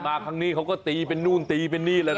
โบกมือลา